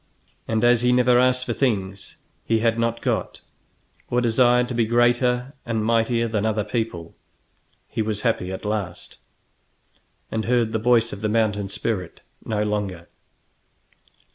And as he never asked for things he had not got, or desired to be greater and mightier than other people, he was happy at last, and heard the voice of the mountain spirit no longer.